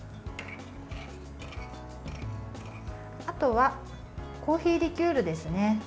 あとはコーヒーリキュールですね。